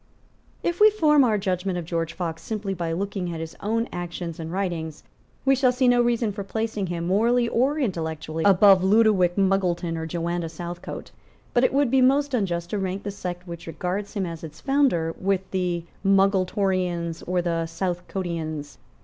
If we form our judgment of George Fox simply by looking at his own actions and writings, we shall see no reason for placing him, morally or intellectually, above Ludowick Muggleton or Joanna Southcote. But it would be most unjust to rank the sect which regards him as its founder with the Muggletonians or the Southcotians.